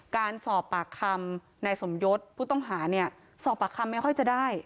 การสอบปากคำนายสมยศผู้ต้องหาเนี่ยสอบปากคำไม่ค่อยจะได้